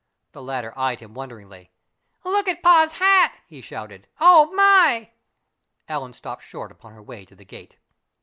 The latter eyed him wonderingly. "Look at pa's hat!" he shouted. "Oh, my!" Ellen stopped short upon her way to the gate.